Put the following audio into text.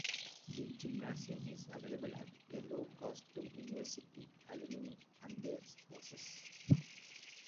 The gymnasium is available at a low cost to University alumni and their spouses.